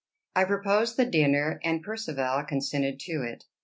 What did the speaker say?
I proposed the dinner, and Percivale consented to it.